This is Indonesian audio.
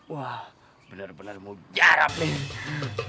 wah benar benar mujarab nenek